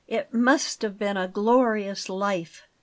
"It must have been a glorious life!"